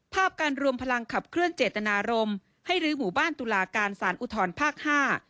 ภาพการรวมพลังขับเคลื่อนเจตนารมณ์ให้รื้อหมู่บ้านตุลาการสารอุทธรภาคห้า